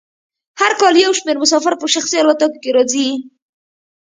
هر کال یو شمیر مسافر په شخصي الوتکو کې راځي